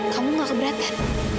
kamu gak keberatan